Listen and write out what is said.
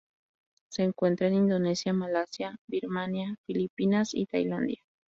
Se encuentra en Indonesia, Malasia, Birmania, Filipinas, y Tailandia.